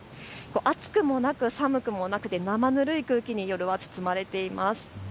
暑くもなく寒くもなくで生ぬるい空気に夜は包まれています。